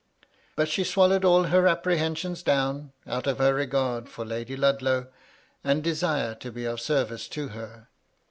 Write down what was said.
But she swallowed all her apprehensions down, out of her regard for Lady Ludlow, and desire to be of ser vice to her.